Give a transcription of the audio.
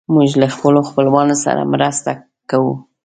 موږ له خپلو خپلوانو سره مرسته کوو.